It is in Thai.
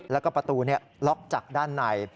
แล้วก็ประตูล็อกจากด้านใน